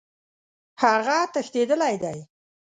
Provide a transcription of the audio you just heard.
هغه تښتېدلی دی.